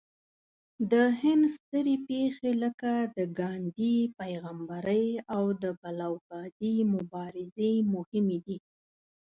د هند سترې پېښې لکه د ګاندهي پیغمبرۍ او د بلوکادي مبارزې مهمې دي.